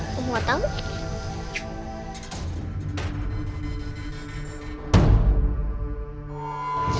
aku mau tau